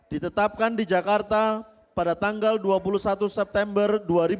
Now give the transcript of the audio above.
ditetapkan di jakarta pada tanggal dua puluh satu september dua ribu dua puluh